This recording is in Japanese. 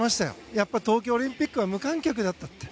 やっぱり東京オリンピックは無観客だったって。